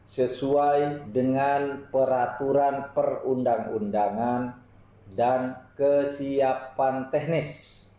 sesuai dengan peraturan perundang undangan dan kesiapan teknis